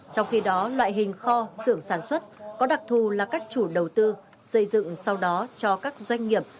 trong khi đó loại hình kho xưởng sản xuất có đặc thù là các chủ đầu tư xây dựng sau đó cho các doanh nghiệp